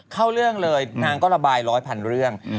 เข้าเรื่องเลยนางก็ระบายร้อยพันเรื่อง